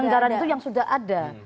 anggaran itu yang sudah ada